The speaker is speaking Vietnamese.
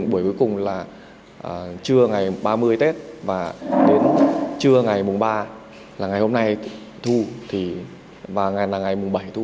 buổi cuối cùng là trưa ngày ba mươi tết và đến trưa ngày mùng ba là ngày hôm nay thu và ngày mùng bảy thu